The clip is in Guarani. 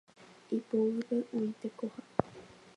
Ipoguýpe oĩ tekoha.